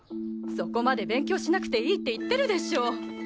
そこまで勉強しなくていいって言ってるでしょう！